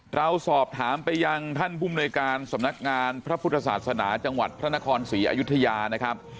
เราสอบถามไปยังท่านภูมิหน่วยการสำนักงานพระพุทธศาสนาจังหวัดพระนครศรีอยุธยานะครับ